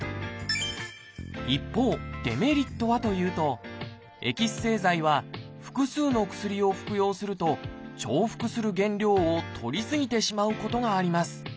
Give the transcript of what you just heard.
一方デメリットはというとエキス製剤は複数の薬を服用すると重複する原料をとり過ぎてしまうことがあります。